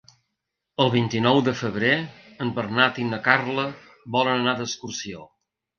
El vint-i-nou de febrer en Bernat i na Carla volen anar d'excursió.